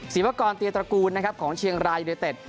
ศิลปกรณ์เตียนตระกูลของเชียงรายุโดยเต็ด